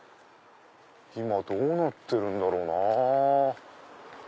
今どうなってるんだろうな？